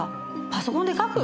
パソコンで書く？